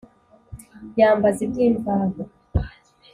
Yambaza iby'imvaho